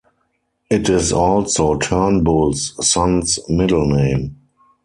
It is also Turnbull's son's middle name.